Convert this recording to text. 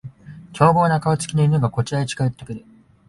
凶暴な顔つきの犬がこちらへ近寄ってくる